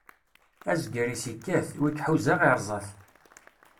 Azger-is ikkat, wi iḥuza iṛẓa-t.